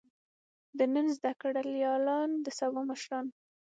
د نن زده کړيالان د سبا مشران.